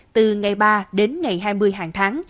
từ ngày ba đến ngày hai mươi hàng tháng